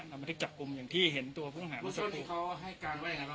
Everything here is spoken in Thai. เรามาเรียกจับกลุ่มอย่างที่เห็นตัวผู้ต้องหาพูดส้นที่เขาให้การว่าอย่าง